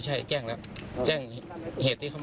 จะเย็บต้นไม้ครับ